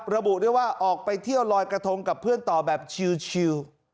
ระบุด้วยว่าออกไปเที่ยวลอยกระทงกับเพื่อนต่อแบบชิล